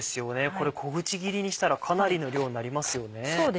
これ小口切りにしたらかなりの量になりますよね。